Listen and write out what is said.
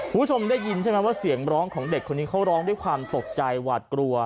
คุณผู้ชมได้ยินใช่ไหมว่าเสียงร้องของเด็กคนนี้เขาร้องด้วยความตกใจหวาดกลัว